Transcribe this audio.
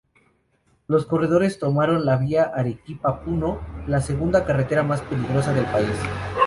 Los corredores tomaron la Vía Arequipa-Puno, la segunda carretera más peligrosa del país.